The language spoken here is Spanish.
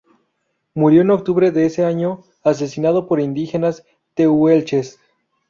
Murió en octubre de ese año asesinado por indígenas tehuelches.